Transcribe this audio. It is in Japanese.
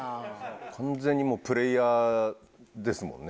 完全にもうプレーヤーですもんね。